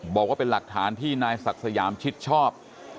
บอกว่าเป็นหลักฐานที่นายศักดิ์สยามชิดชอบ